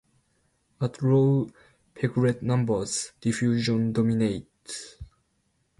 At low Peclet numbers, diffusion dominates.